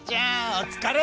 お疲れ！